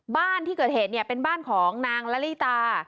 บ้านที่เกิดเหตุเนี่ยเป็นบ้านของนางละลิตา